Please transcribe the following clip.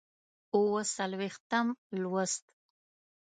اووه څلوېښتم لوست